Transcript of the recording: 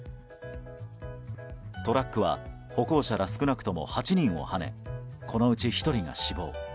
トラックは歩行者ら少なくとも８人をはねこのうち１人が死亡。